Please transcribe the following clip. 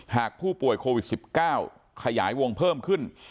หากผู้ป่วยโควิด๑๙ขยายวงเพิ่มขึ้น